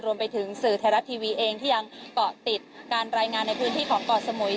รวมไปถึงสื่อไทยรัฐทีวีเองที่ยังเกาะติดการรายงานในพื้นที่ของเกาะสมุย